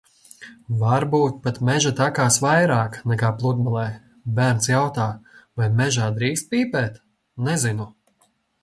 Varbūt pat meža takās vairāk, nekā pludmalē. Bērns jautā: "Vai mežā drīkst pīpēt?" Nezinu.